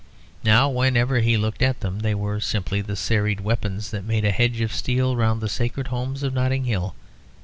Now, whenever he looked at them, they were simply the serried weapons that made a hedge of steel round the sacred homes of Notting Hill.